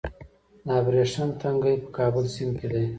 د ابریشم تنګی په کابل سیند کې دی